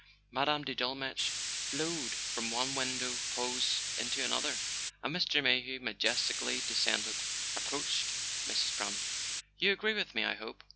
Mme. de Dolmetsch flowed from one widowed pose into another, and Mr. Mayhew, majestically de¬ scending, approached Mrs. Brant. "You agree with me, I hope?